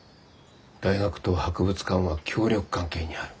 大学と博物館は協力関係にある。